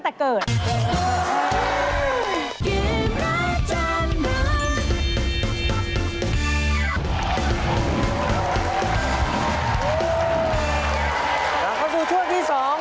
เราเข้าสู่ช่วงที่สอง